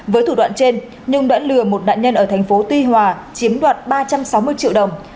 với thủ đoạn trên nhung đã lừa một nạn nhân ở thành phố tuy hòa chiếm đoạt ba trăm sáu mươi triệu đồng